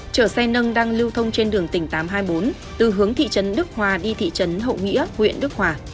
chở xe nâng đang lưu thông trên đường tỉnh tám trăm hai mươi bốn từ hướng thị trấn đức hòa đi thị trấn hậu nghĩa huyện đức hòa